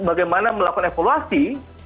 bagaimana melakukan evaluasi